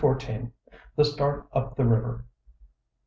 THE START UP THE RIVER.